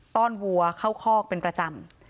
้อนวัวเข้าคอกเป็นประจำ